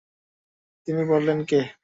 তিনি বললেন, কে?